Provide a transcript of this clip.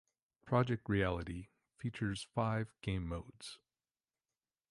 "Project Reality" features five game modes.